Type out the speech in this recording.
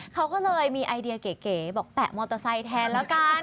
เขาก็เลยมีไอเดียเก๋บอกแปะมอเตอร์ไซค์แทนแล้วกัน